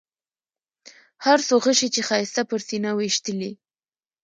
هر څو غشي چې ښایسته پر سینه ویشتلي.